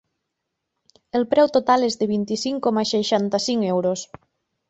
El preu total és de vint-i-cinc coma seixanta-cinc euros.